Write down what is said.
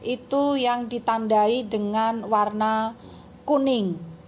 itu yang ditandai dengan warna kuning